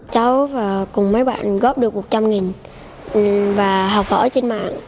cháu và cùng mấy bạn góp được một trăm linh và học hỏi trên mạng